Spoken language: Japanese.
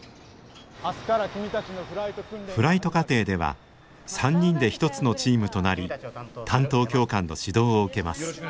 フライト課程では３人で一つのチームとなり担当教官の指導を受けます。